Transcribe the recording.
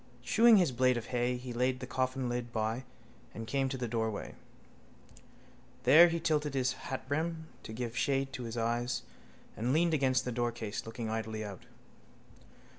Chewing his blade of hay he laid the coffinlid by and came to the doorway. There he tilted his hatbrim to give shade to his eyes and leaned against the doorcase, looking idly out.